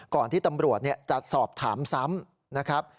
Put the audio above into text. ก่อนที่ตำรวจจะสอบถามซ้ำนะครับ